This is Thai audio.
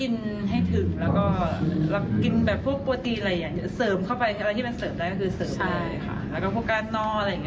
การกินก่อนเลยค่ะอันดับแรกเราต้องกินให้ถึง